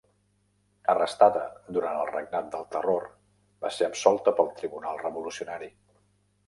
Arrestada durant el Regnat del Terror va ser absolta pel Tribunal revolucionari.